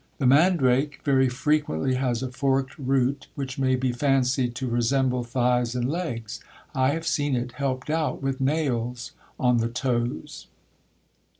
The mandrake very frequently has a forked root, which may be fancied to resemble thighs and legs. I have seen it helped out with nails on the toes."